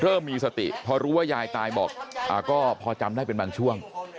เริ่มมีสติพอรู้ว่ายายตายบอกก็พอจำได้เป็นบางช่วง